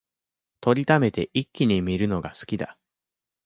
録りためて一気に観るのが好きだ